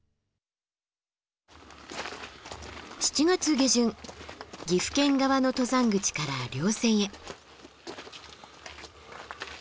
７月下旬岐阜県側の登山口から稜線へ。